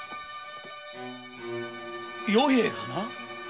与平がな